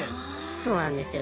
そうなんですよ。